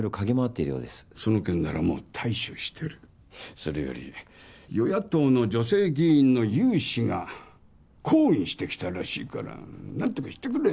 それより与野党の女性議員の有志が抗議してきたらしいから何とかしてくれ。